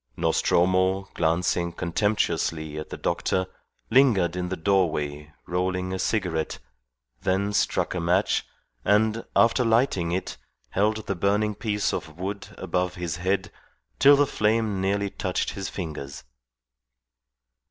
Nostromo, glancing contemptuously at the doctor, lingered in the doorway rolling a cigarette, then struck a match, and, after lighting it, held the burning piece of wood above his head till the flame nearly touched his fingers.